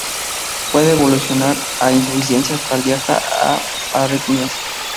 Puede evolucionar a insuficiencia cardiaca o arritmias.